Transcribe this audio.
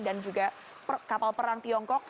dan juga kapal perang tiongkok